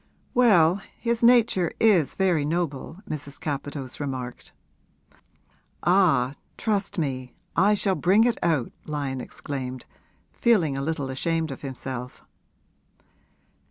'Well, his nature is very noble,' Mrs. Capadose remarked. 'Ah, trust me, I shall bring it out!' Lyon exclaimed, feeling a little ashamed of himself.